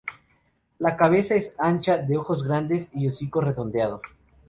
La cabeza es ancha, ojos grandes y hocico redondeado.